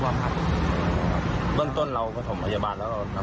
ต้นเราผสมพยาบาลแล้วแล้วเรารับบัญเจ็บยังไง